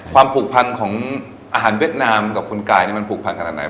ผูกพันของอาหารเวียดนามกับคุณกายนี่มันผูกพันขนาดไหน